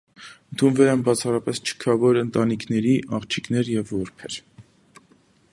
Ընդունվել են բացառապես չքավոր ընտանիքների աղջիկներ և որբեր։